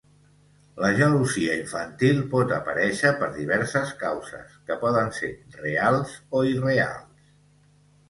La gelosia infantil pot aparèixer per diverses causes, que poden ser reals o irreals.